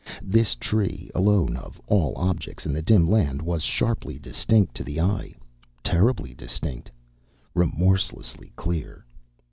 This tree alone of all objects in the dim land was sharply distinct to the eye terribly distinct, remorselessly clear.